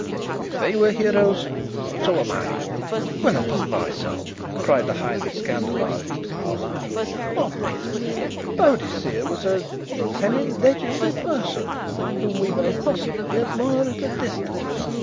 If they were heroes, so am I." "Well, upon my word!" cried the highly scandalized Carlyle, "what next! Boadicea was a er semi legendary person, whom we may possibly admire at a distance.